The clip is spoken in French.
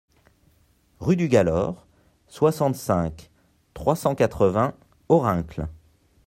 Rue du Galor, soixante-cinq, trois cent quatre-vingts Orincles